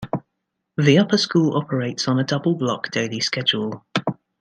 The Upper School operates on a double block daily schedule.